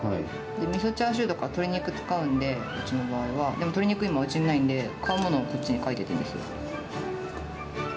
で、みそチャーシューとか鶏肉使うんで、うちの場合は、でも鶏肉、今、うちにないんで、買うものをこっちに書いていくんですよ。